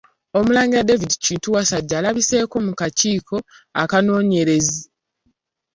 Omulangira David Kintu Wasajja alabiseeko mu kakiiko akanoonyerezi.